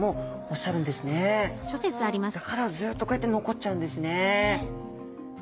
だからずっとこうやって残っちゃうんですね。